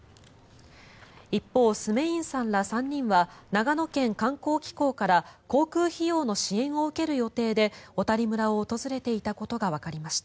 一方、スメインさんら３人は長野県観光機構から航空費用の支援を受ける予定で小谷村を訪れていたことがわかりました。